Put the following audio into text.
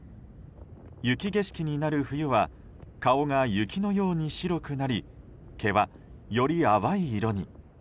雪景色になる冬は顔が雪のように白くなり毛は、より淡い色に。